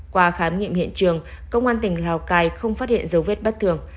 qua khám nghiệm hiện trường công an tỉnh lào cai không phát hiện dấu vết bất thường